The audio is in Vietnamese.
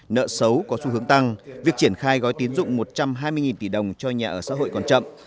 nợ xấu có xu hướng tăng việc triển khai gói tiến dụng một trăm hai mươi tỷ đồng cho nhà ở xã hội còn chậm